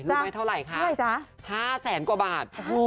ไม่เท่าไหร่คะ๕แสนกว่าบาท